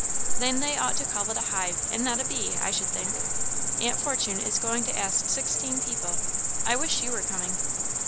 "Then they ought to call it a hive, and not a bee, I should think. Aunt Fortune is going to ask sixteen people. I wish you were coming!"